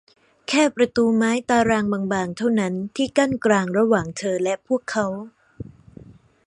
แค่ประตูไม้ตารางบาง ๆ เท่านั้น ที่กั้นกลางระหว่างเธอและพวกเขา